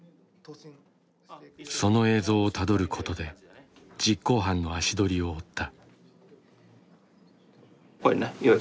その映像をたどることで実行犯の足取りを追った。